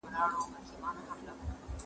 آیا هغه سړی پوهېده چې ولسمشر دی پېژندلی دی؟